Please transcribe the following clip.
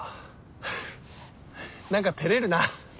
フッ何か照れるな。